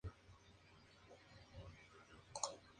La sede del condado es Bakersfield.